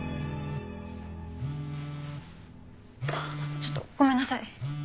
あっちょっとごめんなさい。